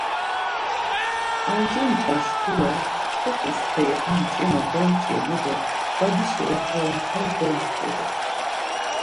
Ar jur ndğa şkule toǩi steri ar mç̌ima domç̌imu do badişi oxori mtel dondğulu.